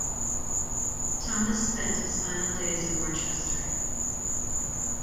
Thomas spent his final days in Worcester.